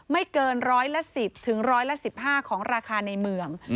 ไม่เกินร้อยละสิบถึงร้อยละสิบห้าของราคาในเมือง